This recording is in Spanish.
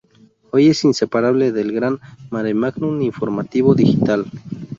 hoy es inseparable del gran maremágnum informativo digital